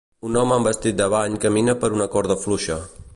Un home amb vestit de bany camina per una corda fluixa.